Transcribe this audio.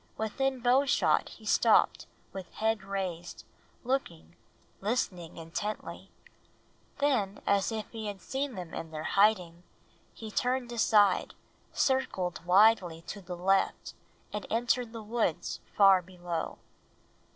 Within bowshot he stopped with head raised, looking, listening intently. Then, as if he had seen them in their hiding, he turned aside, circled widely to the left, and entered the woods far below.